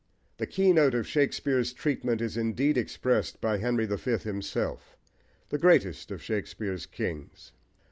The keynote of Shakespeare's treatment is indeed expressed by Henry the Fifth himself, the greatest of Shakespeare's kings.